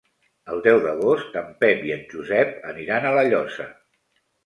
El deu d'agost en Pep i en Josep aniran a La Llosa.